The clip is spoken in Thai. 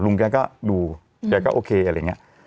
แกก็ดูแกก็โอเคอะไรอย่างนี้